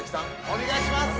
お願いします！